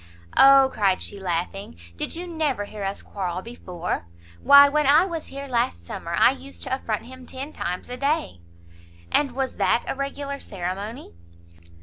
"O," cried she, laughing, "did you never hear us quarrel before? why when I was here last summer, I used to affront him ten times a day." "And was that a regular ceremony?"